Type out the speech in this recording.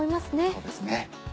そうですね。